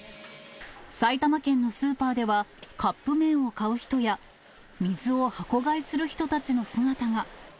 埼玉県のスーパーでは、カップ麺を買う人や、水を箱買いする人たちの姿が。